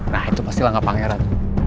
nah itu pastilah gak pangeran